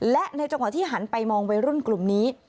และในจังหวะที่หันไปมองวัยรุ่นกลุ่มนี้